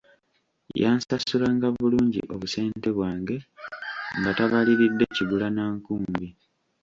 Yansasulanga bulungi obusente bwange nga tabaliridde kigula na nkumbi.